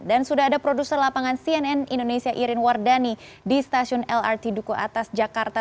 dan sudah ada produser lapangan cnn indonesia irin wardani di stasiun lrt duku atas jakarta